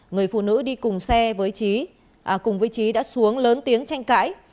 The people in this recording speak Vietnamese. người phụ nữ đi cùng với trí đã xuống lớn tiếng tranh cãi